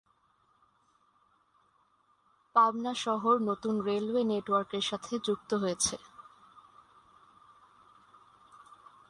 পাবনা শহর নতুন রেলওয়ে নেটওয়ার্কের সাথে যুক্ত হয়েছে।